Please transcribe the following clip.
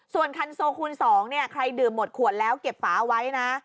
ส่วนคันโซคูณ๒เนี่ยใครดื่มหมดขวดแล้วเก็บฝาไว้นะ